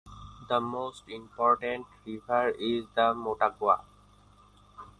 The most important river is the Motagua.